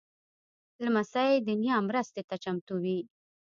لمسی د نیا مرستې ته چمتو وي.